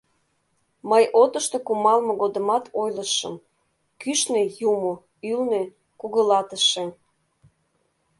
— Мый отышто кумалме годымат ойлышым: кӱшнӧ — юмо, ӱлнӧ — кугылатыше!